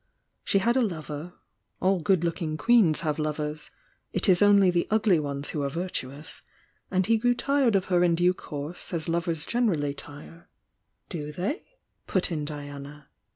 She had a lover — all good looking queens have lovers it is only the ugly ones who are virtuous — and he grew tired of her in due course, as lovers generally tire " "Do they?" put in Diana.